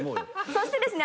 そしてですね